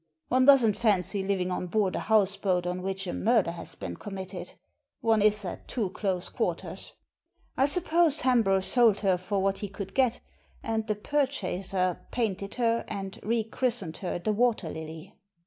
One doesn't fancy living on board a houseboat on which a murder has been committed; one is at too close quarters. I suppose Hambro sold her for what he could get, and the purchaser painted her, and rechristened her the Water Lily!'